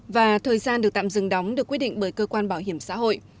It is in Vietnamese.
và thời gian được tạm dừng đóng được quyết định bởi cơ quan bảo hiểm xã hội